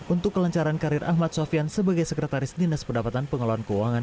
untuk kelancaran karir ahmad sofian sebagai sekretaris dinas pendapatan pengelolaan keuangan